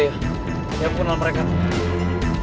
ya kenal mereka tuh